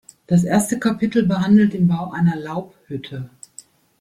Das erste Kapitel behandelt den Bau einer Laubhütte.